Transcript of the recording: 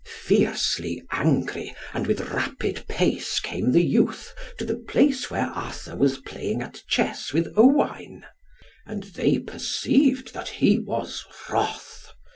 Fiercely angry, and with rapid pace, came the youth to the place where Arthur was playing at chess with Owain. And they perceived that he was wroth.